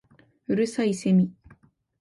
五月蠅いセミ